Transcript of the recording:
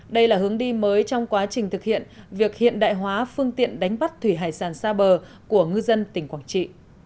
đây là hướng đi mới trong quá trình thực hiện việc hiện đại hóa phương tiện đánh bắt thủy hải sản xa bờ của ngư dân tỉnh quảng trị